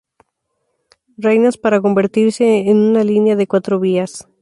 Reinas para convertirse en una línea de cuatro vías.